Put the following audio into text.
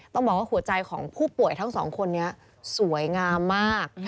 ต้องบอกว่าหัวใจของผู้ป่วยทั้งสองคนนี้สวยงามมาก